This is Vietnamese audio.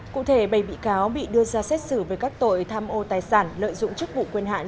cụ thể bảy bị cáo bị đưa ra xét xử về các tội tham ô tài sản lợi dụng chức vụ quyền hạn